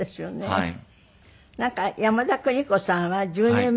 はい。